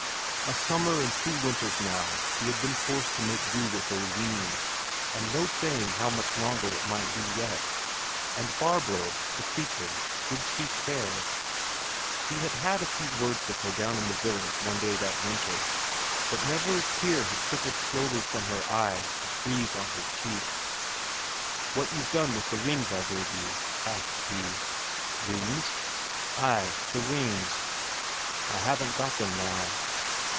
A summer and two winters now he had been forced to make do with Oline, and no saying how much longer it might be yet. And Barbro, the creature, did she care? He had had a few words with her down in the village one day that winter, but never a tear had trickled slowly from her eyes to freeze on her cheek. "What you've done with rings I gave you?" asks he. "Rings?" "Ay, the rings." "I haven't got them now."